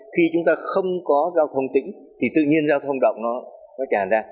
khi chúng ta không có giao thông tĩnh thì tự nhiên giao thông động nó tràn ra